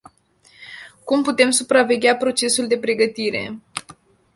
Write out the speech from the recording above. Cum putem supraveghea procesul de pregătire?